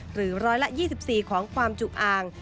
หรือ๑๒๔ของความจุอ่าง